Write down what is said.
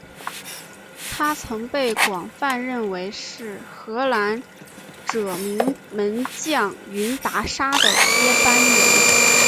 他曾被广泛认为是荷兰着名门将云达沙的接班人。